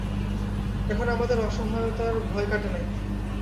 এখনও আমাদের অসহায়তার ভয় কাটে নাই।